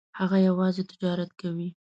هغه یوازې تجارت کوي.